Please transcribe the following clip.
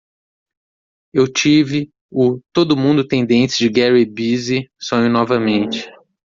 Eu tive o "todo mundo tem dentes de Gary Busey" sonho novamente.